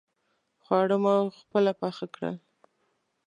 خواړه مو خپله پاخه کړل.